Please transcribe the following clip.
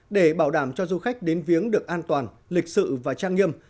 để bảo đảm cho du khách đến viếng được an toàn lịch sự và trang nghiêm